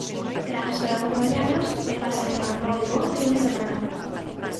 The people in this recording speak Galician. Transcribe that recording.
Grazas por acompañarnos e pasen unha moi boa fin de semana.